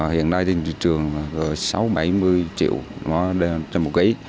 hiện nay trên trị trường là sáu mươi bảy mươi triệu đồng trong một kg